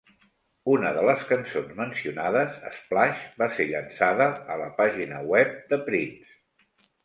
Una de les cançons mencionades, "Splash", va ser llançada a la pàgina web de Prince.